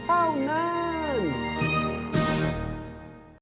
เต้านาน